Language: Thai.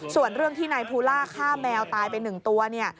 ส่วนเรื่องที่นายภูล่าฆ่าแมวตายไป๑ตัวเนี่ย